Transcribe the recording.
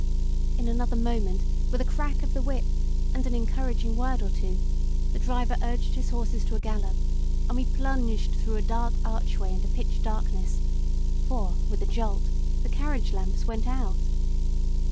In another moment, with a crack of the whip and an encouraging word or two, the driver urged his horses to a gallop, and we plunged through a dark archway into pitch darkness, for, with a jolt, the carriage lamps went out.